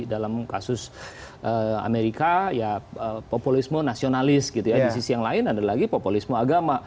dalam kasus amerika ya populisme nasionalis gitu ya di sisi yang lain ada lagi populisme agama